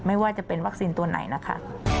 ไม่ว่าจะเป็นวัคซีนตัวไหนนะคะ